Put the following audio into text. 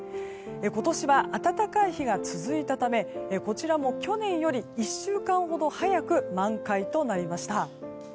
今年は暖かい日が続いたためこちらも去年より１週間ほど早く満開となりました。